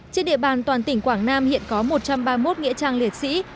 trên địa bàn toàn tỉnh quảng nam hiện có một trăm ba mươi một nghĩa trang liệt sĩ